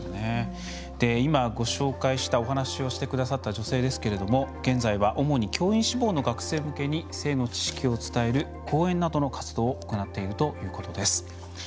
今、ご紹介したお話をしてくださった女性ですけれども現在は主に教員志望の学生向けに性の知識を伝える講演などの活動を行っているということです。